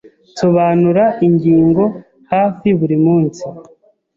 Nsobanura ingingo hafi buri munsi.